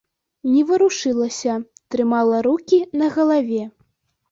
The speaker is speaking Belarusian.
Не варушылася, трымала рукі на галаве.